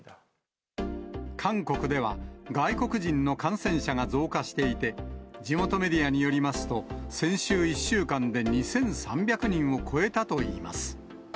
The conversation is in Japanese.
韓国では、外国人の感染者が増加していて、地元メディアによりますと、先週１週間で２３００人を超えたといいます。